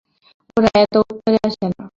ওরা এত উত্তরে আসে না।